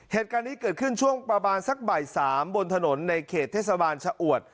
เหตุการณ์นี้เกิดขึ้นช่วงประมาณสักบ่าย๓บนถนนในเขตเทศบาลชะอวด